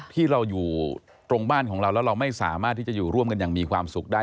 ที่เราอยู่ตรงบ้านของเราแล้วเราไม่สามารถที่จะอยู่ร่วมกันอย่างมีความสุขได้